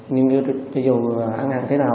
nhưng cho dù ăn hẳn thế nào